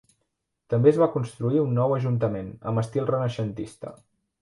També es va construir un nou ajuntament, amb estil renaixentista.